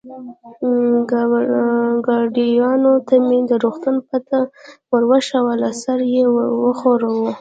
ګاډیوان ته مې د روغتون پته ور وښوول، سر یې و ښوراوه.